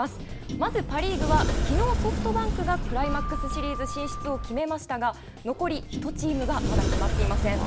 まずパ・リーグはきのうソフトバンクがクライマックスシリーズ進出を決めましたが残り１チームがまだ決まっていません。